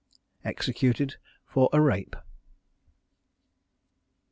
EXECUTED FOR A RAPE.